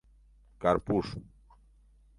КАРПУШ